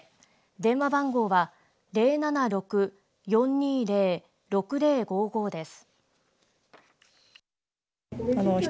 電話番号は０７６−４２０−６０５５です。